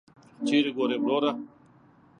چیري ګورې وروره !